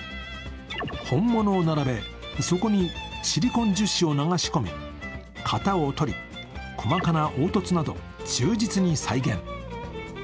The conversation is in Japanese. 本物を並べ、そこにシリコン樹脂を流し込み、型を取り、細かな凹凸など、忠実に再現。